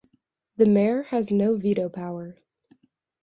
The mayor has no veto power.